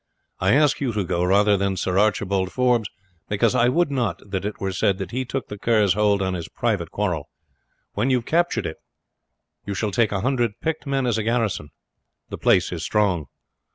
I ask you to go rather than Sir Archibald Forbes, because I would not that it were said that he took the Kerr's hold on his private quarrel. When you have captured it he shall take a hundred picked men as a garrison. The place is strong.